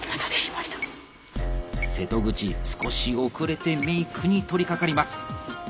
瀬戸口少し遅れてメイクに取りかかります。